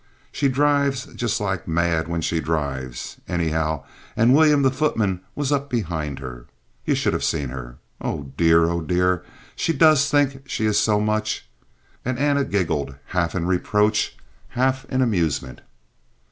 She drives just like mad when she drives, anyhow, and William, the footman, was up behind her. You should just have seen her. Oh, dear! oh, dear! she does think she is so much!" And Anna giggled, half in reproach, half in amusement.